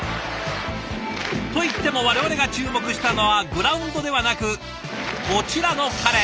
といっても我々が注目したのはグラウンドではなくこちらの彼。